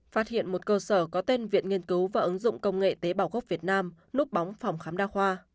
phát hiện một cơ sở có tên viện nghiên cứu và ứng dụng công nghệ tế bào gốc việt nam núp bóng phòng khám đa khoa